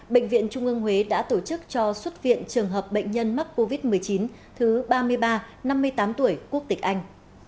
bệnh viện trung ương huế đã tổ chức cho xuất viện trường hợp bệnh nhân mắc covid một mươi chín thứ ba mươi ba năm mươi tám tuổi quốc tịch anh